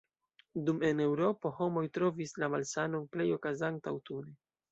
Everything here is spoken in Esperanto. Dum en Eŭropo, homoj trovis la malsanon plej okazanta aŭtune.